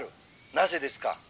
なぜですか？」。